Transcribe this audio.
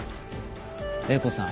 英子さん